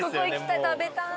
食べたい！